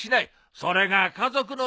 それが家族の役割